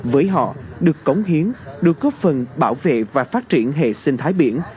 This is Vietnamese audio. với họ được cống hiến được góp phần bảo vệ và phát triển hệ sinh thái biển